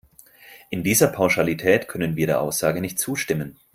In dieser Pauschalität können wir der Aussage nicht zustimmen.